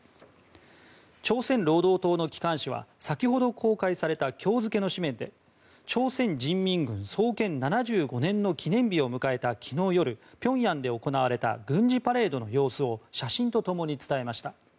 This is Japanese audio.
朝鮮労働党の機関紙は先ほど公開された今日付の紙面で朝鮮人民軍創建７５年の記念日を迎えた昨日夜平壌で行われた軍事パレードの様子を写真とともに伝えました。